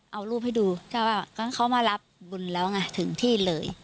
เอารูปให้ดูก็ว่าเขามารับบุญแล้วไงถึงที่เลย